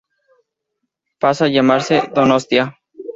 Pasa llamarse "Donostia".